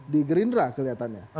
di gerindra kelihatannya